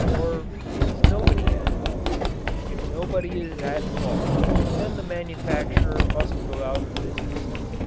Or is nobody at fault? If nobody is at fault then the manufacturer must go out of business.